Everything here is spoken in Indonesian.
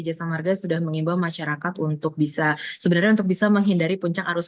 jasa marga sudah mengimbau masyarakat untuk bisa sebenarnya untuk bisa menghindari puncak arus